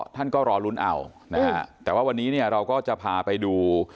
ท่านก็รอลุ้นเอานะฮะแต่ว่าวันนี้เนี่ยเราก็จะพาไปดู